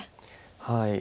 はい。